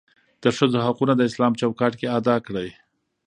دښځو حقونه داسلام چوکاټ کې ادا کړى.